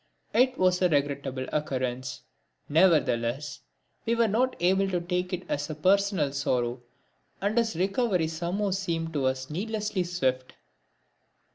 It was a regrettable occurrence; nevertheless we were not able to take it as a personal sorrow, and his recovery somehow seemed to us needlessly swift.